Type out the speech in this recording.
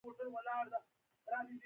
دولتي ځواکونو دا پاڅون هم مات کړ.